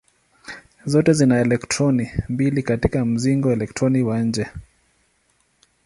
Zote zina elektroni mbili katika mzingo elektroni wa nje.